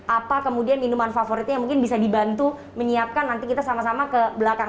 apa kemudian minuman favoritnya yang mungkin bisa dibantu menyiapkan nanti kita sama sama ke belakang